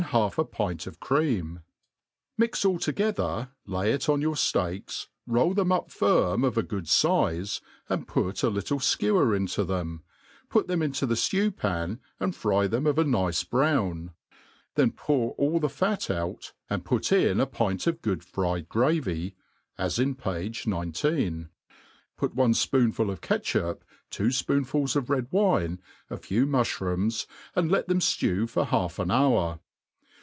half a pint of cream : mix all together, lay it on your fl:eaks, rolj them up firm, of a good flze, and put a litt4e fkewer into them, put them into the ftew^pan, and fry them of a nice brown j then pour all the fat quite out, and put in a pint of good fried gravy (as in page 19.), put one fpoonful of catchup, two fpoonfuls of red wine, a few mufhrooms, and let them ftew for half an hour.